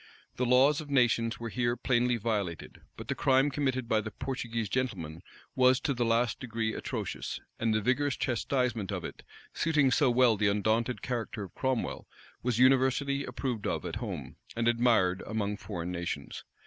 The laws of nations were here plainly violated; but the crime committed by the Portuguese gentleman was to the last degree atrocious; and the vigorous chastisement of it, suiting so well the undaunted character of Cromwell, was universally approved of at home, and admired among foreign nations.